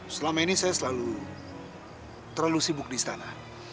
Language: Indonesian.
selama ini saya selalu terlalu sibuk di istana